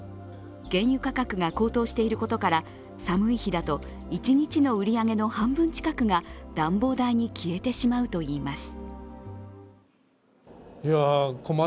原油価格が高騰していることから寒い日だと一日の売り上げの半分近くが暖房代に消えてしまうといいます。